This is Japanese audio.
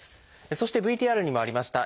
そしてＶＴＲにもありました